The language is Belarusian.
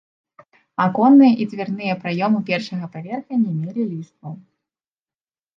Аконныя і дзвярныя праёмы першага паверха не мелі ліштваў.